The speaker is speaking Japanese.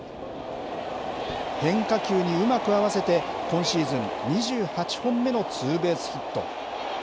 変化球にうまく合わせて、今シーズン２８本目のツーベースヒット。